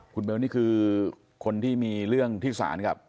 คุณเบลนี่คือคนที่มีเรื่องที่สารกับ